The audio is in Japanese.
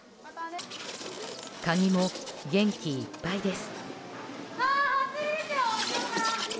カニも元気いっぱいです。